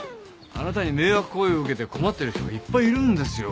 あなたに迷惑行為を受けて困ってる人がいっぱいいるんですよ。